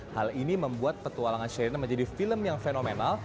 hal ini membuat petualangan sherina menjadi film yang fenomenal